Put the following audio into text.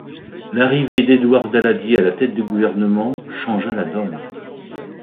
L'arrivée d'Edouard Daladier à la tête du gouvernement changea la donne.